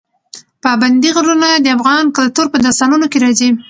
پابندی غرونه د افغان کلتور په داستانونو کې راځي.